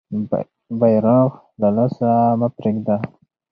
بیرغ له لاسه مه پرېږده.